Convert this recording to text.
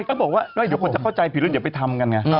ใช่เขาบอกว่าเดี๋ยวคนจะเข้าใจผิดอย่าไปทำกันนะฮะ